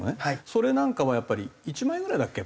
それなんかはやっぱり１万円ぐらいだっけ？